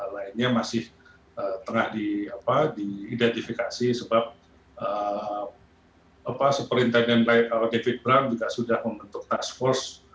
lainnya masih tengah diidentifikasi sebab superintaian david bram juga sudah membentuk task force